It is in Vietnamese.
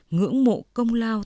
ngưỡng mộ công lao